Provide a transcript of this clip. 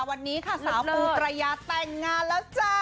วันนี้ค่ะสาวปูประยาแต่งงานแล้วจ้า